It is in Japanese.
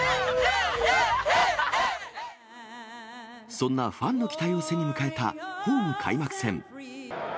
そんなファンの期待を背に迎えたホーム開幕戦。